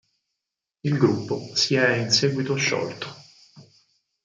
Il gruppo si è in seguito sciolto.